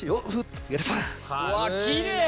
うわっきれい。